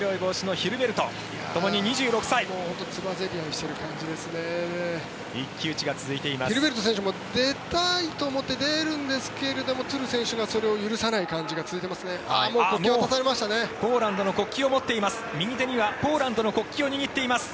ヒルベルト選手も出たいと思って出るんですがトゥル選手がそれを許さない感じが続いていますね。